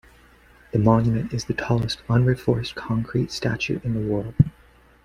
The monument is the tallest unreinforced concrete structure in the world.